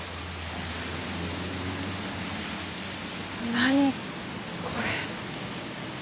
何これ。